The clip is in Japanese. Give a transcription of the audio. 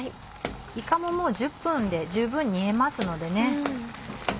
いかももう１０分で十分煮えますのでね。